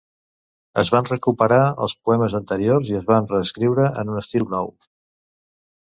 Es van "recuperar" els poemes anteriors i es van reescriure en un estil nou.